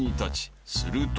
［すると］